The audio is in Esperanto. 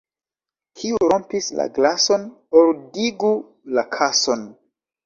Kiu rompis la glason, ordigu la kason.